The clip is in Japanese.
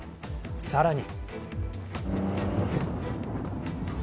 さらに。